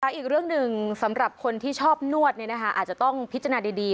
อีกเรื่องหนึ่งสำหรับคนที่ชอบนวดอาจจะต้องพิจารณาดี